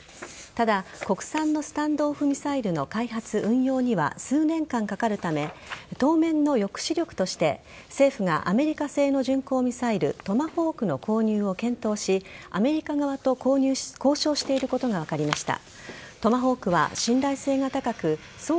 ただ国産のスタンド・オフ・ミサイルの開発、運用には数年間かかるため当面の抑止力として政府がアメリカ製の巡航ミサイルトマホークの購入を検討しアメリカ側と交渉していることが分かりました。